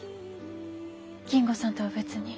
金吾さんとは別に。